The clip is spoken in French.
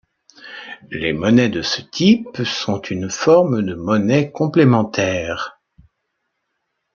Les monnaies de ce type sont une forme de monnaie complémentaire.